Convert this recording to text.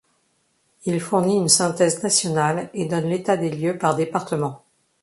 Il fourni une synthèse nationale et donne l'état des lieux par département.